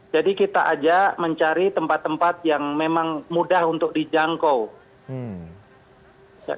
jadi kita aja mencari tempat tempat yang memang mudah untuk dijangkau